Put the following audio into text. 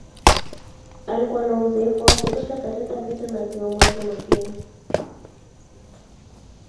Alikuwa na uzoefu wa kutosha katika vita na kiongozi makini.